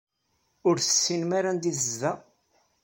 Ur tessinem ara anda ay tezdeɣ?